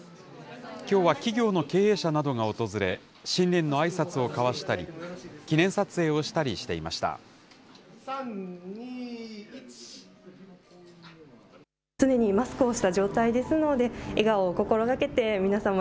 きょうは企業の経営者などが訪れ、新年のあいさつを交わしたり、記念撮影をしたりしていました。